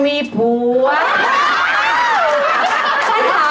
อะไรมั้ยครับ